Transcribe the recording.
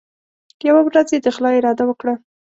یوه ورځ یې د غلا اراده وکړه.